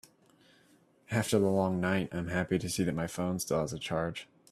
After the long night, I am happy to see that my phone still has a charge.